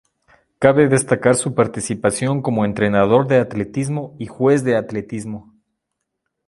Cabe destacar su participación como entrenador de atletismo y juez de atletismo.